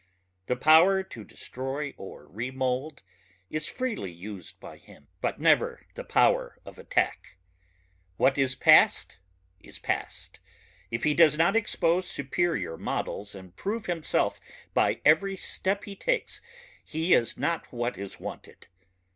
The power to destroy or remould is freely used by him, but never the power of attack. What is past is past. If he does not expose superior models and prove himself by every step he takes he is not what is wanted.